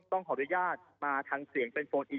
ต้องขออนุญาตมาทางเสียงเป็นโฟนอี